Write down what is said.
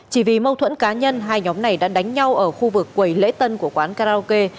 chỉ vì mâu thuẫn cá nhân hai nhóm này đã đánh nhau ở khu vực quầy lễ tân của quán karaoke